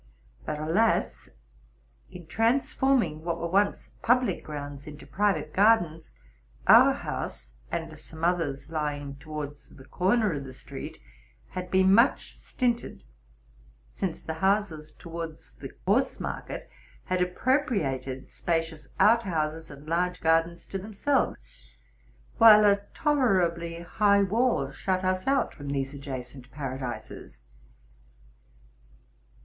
But, alas! in transforming what were once public grounds into private gardens, our house, and some others lying towards the corner of the street, had been much stinted; since the houses towards the horse market had appropriated spacious out houses and large gardens te themselves, while a tolerably high wall shut us out from these adjacent paradises.